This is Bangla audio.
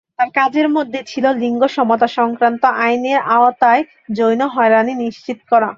তার কাজের মধ্যে ছিল লিঙ্গ সমতা সংক্রান্ত আইনের আওতায় যৌন হয়রানি নিশ্চিত করা।